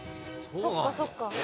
そっかそっか。